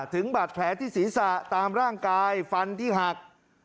ถึงบาดแผลที่ศีรษะตามร่างกายฟันที่หัก